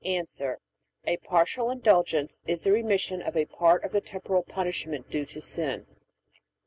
A. A Partial Indulgence is the remission of a part of the temporal punishment due to sin.